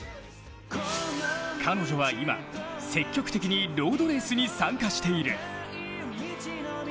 彼女は今、積極的にロードレースに参加している。